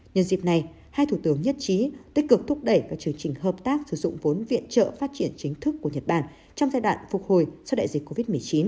nhân dịp này hai thủ tướng nhất trí tích cực thúc đẩy các chương trình hợp tác sử dụng vốn viện trợ phát triển chính thức của nhật bản trong giai đoạn phục hồi sau đại dịch covid một mươi chín